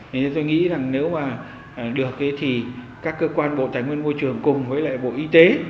nên tôi nghĩ nếu mà được thì các cơ quan bộ tài nguyên môi trường cùng với bộ y tế